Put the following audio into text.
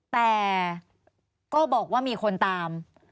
แต่ก็บอกว่ามีคนตาม